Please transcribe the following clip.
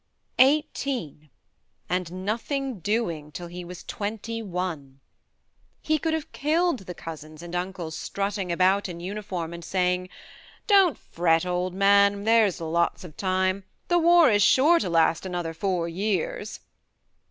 Eighteen and " nothing doing " till he was twenty one ! He could have killed the cousins and uncles strutting about in uniform and saying : "Don't fret, old man there's lots of time. The war is sure to last another four years."